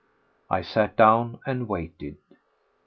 I sat down and waited.